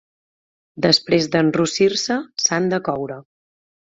Després d'enrossir-se, s'han de coure.